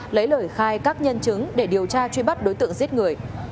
lấy lời khai các nhân chứng để điều tra truy bắt đối tượng giết người